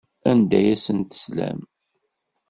Anda ay asent-teslam?